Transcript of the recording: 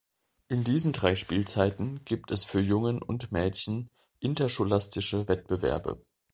In diesen drei Spielzeiten gibt es für Jungen und Mädchen interscholastische Wettbewerbe.